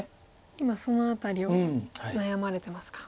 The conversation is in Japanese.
今その辺りを悩まれてますか。